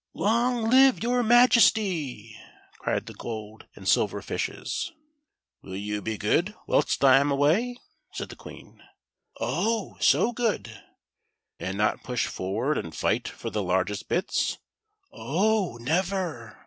"Long live your Majesty! " cried the gold and silver fishes. THE SILVER FISH. 31 "Will you be good whilst I am awa) ?" said the Oiieen. " Oh 1 so good !"" And not push forward and fight for the largest bits ?"" Oh ! never